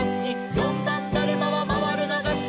「よんばんだるまはまわるのがすき」